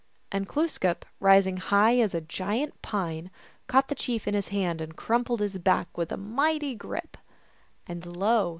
And Glooskap, rising high as a giant pine, caught the chief in his hand and crumpled in his back with a mighty grip. And lo